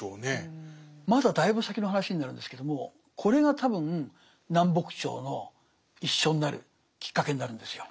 まだだいぶ先の話になるんですけどもこれが多分南北朝の一緒になるきっかけになるんですよ。